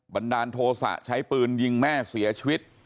บันดาลโทษะใช้ปืนยิงแม่เสียชีวิต